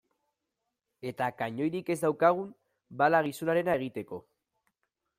Eta kanoirik ez daukagun, bala gizonarena egiteko.